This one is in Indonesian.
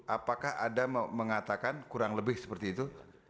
apakah ada mengatakan kurang lebih seperti itu